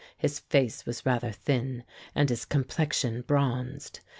His face was rather thin, and his complexion bronzed.